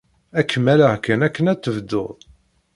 Ad kem-alleɣ kan akken ad tebdud.